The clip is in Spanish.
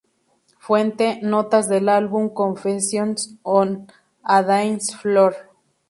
Fuente: notas del álbum "Confessions on a Dance Floor".